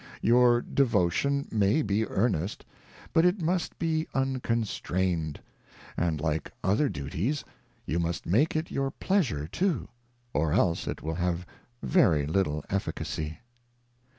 Your Devotion may be earnest, but it must be unconstrained ; and like other Duties, you must make it your Pleasure too, or else it will have very little efficacy.